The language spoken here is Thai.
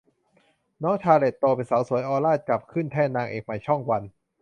น้องชาร์เลท โตเป็นสาวสวย ออร่าจับ ขึ้นแท่นนางเอกใหม่ช่องวัน